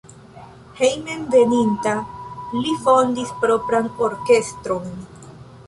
Hejmenveninta li fondis propran orkestron.